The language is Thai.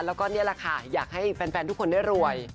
แล้วก็นี่แหละค่ะอยากให้แฟนทุกคนได้รวย